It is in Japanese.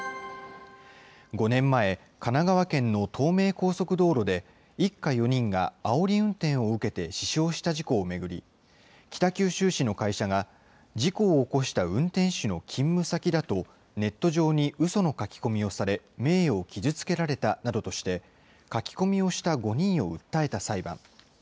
５年前、神奈川県の東名高速道路で、一家４人があおり運転を受けて死傷した事故を巡り、北九州市の会社が、事故を起こした運転手の勤務先だとネット上にうその書き込みをされ、名誉を傷つけられたなどとして、書き込みをした５人を訴えた裁判。